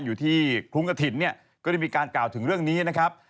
อยู่ที่คลุ้งกระถิ่นเนี่ยก็ได้มีการกล่าวถึงเรื่องนี้นะครับ